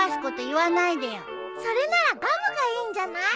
それならガムがいいんじゃない？